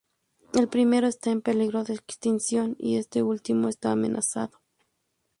El primero está en peligro de extinción, y este último está amenazado.